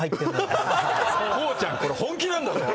こうちゃんこれ本気なんだぞ！